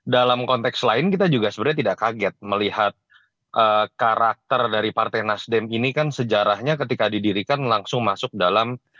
dalam konteks lain kita juga sebenarnya tidak kaget melihat karakter dari partai nasdem ini kan sejarahnya ketika didirikan langsung masuk dalam